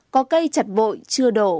có cây chặt bội chưa đổ